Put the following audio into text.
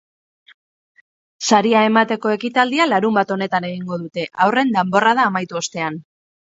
Saria emateko ekitaldia larunbat honetan egingo dute, haurren danborrada amaitu ostean.